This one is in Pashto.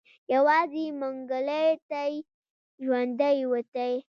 يوازې منګلی تې ژوندی وتی.